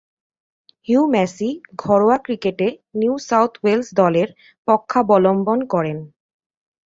Hugh Massie ঘরোয়া ক্রিকেটে New South Wales দলের পক্ষাবলম্বন করেন।